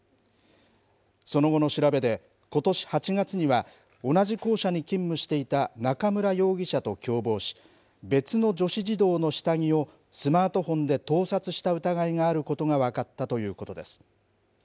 その後の調べで、ことし８月には同じ校舎に勤務していた中村容疑者と共謀し、別の女子児童の下着をスマートフォンで盗撮した疑いがあることが分かったということです。